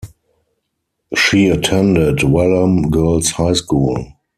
She attended Welham Girls High School.